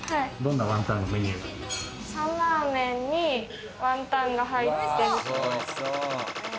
サンマーメンにワンタンが入ってる○○。